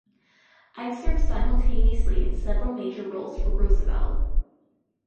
Ickes served simultaneously in several major roles for Roosevelt.